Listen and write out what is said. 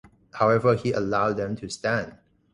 However, he allowed them to stand.